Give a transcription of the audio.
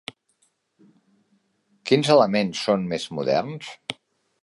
Quins elements són més moderns?